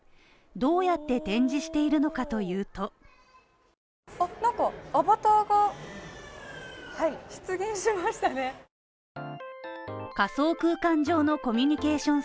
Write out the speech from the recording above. どうやって展示しているのかというと仮想空間上のコミュニケーション